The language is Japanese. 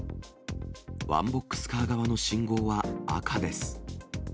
ワンボックスカー側の信号は赤です。